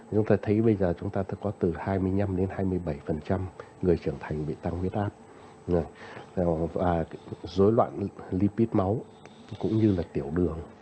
chúng ta thấy bây giờ chúng ta có từ hai mươi năm đến hai mươi bảy người trưởng thành bị tăng huyết áp và dối loạn lipid máu cũng như là tiểu đường